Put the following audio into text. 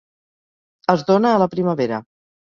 Es dóna a la primavera.